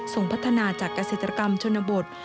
พัฒนาจากเกษตรกรรมชนบท